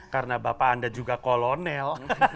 karena bapak anda juga kolonel